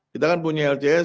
kita kan punya lcs